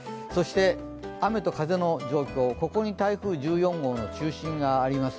雨と風の状況、ここに台風１４号の中心があります。